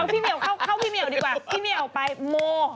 พี่เมียวไปโม